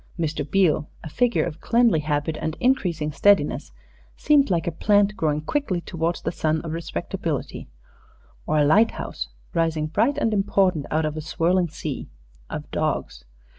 Mr. Beale, a figure of cleanly habit and increasing steadiness, seemed like a plant growing quickly towards the sun of respectability, or a lighthouse rising bright and important out of a swirling sea of dogs.